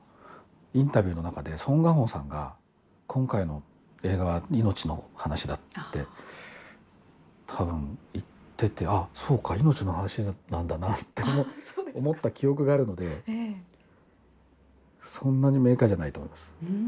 インタビューの中でソン・ガンホさんが「今回の映画は命の話だ」ってたぶん言っていてあ、そうか、命の話だったんだなと思った記憶があるのでそんなに明快じゃないと思います。